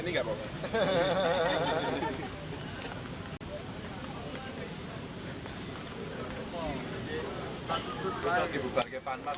di tempat yang asli di jemaah